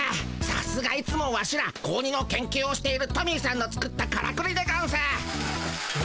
さすがいつもワシら子鬼の研究をしているトミーさんの作ったからくりでゴンス。